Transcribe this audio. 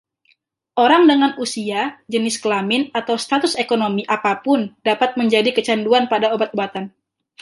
Orang dengan usia, jenis kelamin, atau status ekonomi apa pun dapat menjadi kecanduan pada obat-obatan.